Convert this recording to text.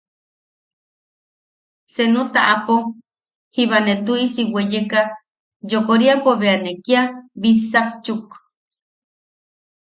Senu taʼapo jiba ne tuʼisi weyeka yokoriapo bea ne kia bitsakchuk.